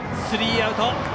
スリーアウト。